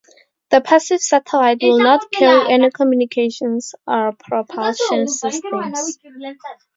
The passive satellite will not carry any communications or propulsion systems.